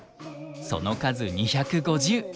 その数２５０。